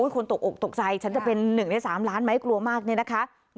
ตกอกตกใจฉันจะเป็น๑ใน๓ล้านไหมกลัวมากเนี่ยนะคะ